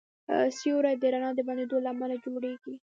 سیوری د رڼا د بندېدو له امله جوړېږي.